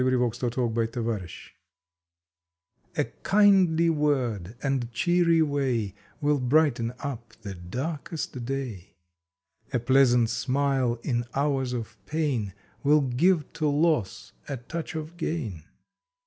September Fifteenth FREE GIFTS A KINDLY word and cheery way Will brighten up the darkest day. A pleasant smile in hours of pain Will give to loss a touch of gain.